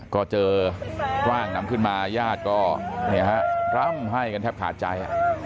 ก็เจอร่างนำขึ้นมาญาติก็ร่ำให้กันแทบขาดใจ